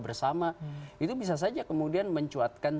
bersama itu bisa saja kemudian mencuatkan